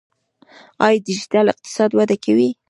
آیا ډیجیټل اقتصاد وده کوي؟